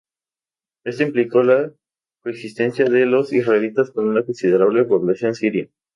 Esto implicó la coexistencia de los israelitas con una considerable población siria.